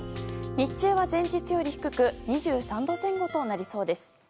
日中は前日より低く２３度前後となりそうです。